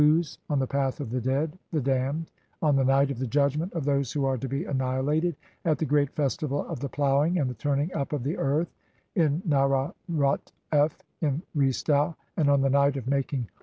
s on the path of the dead (;'. t\, the damned) ; on the night "of the judgment of those who are to be annihilated at the great "[festival of] the ploughing and the turning up of the earth (8) "in Naarerut f 2 in Re stau ; and on the night of making Horus 1.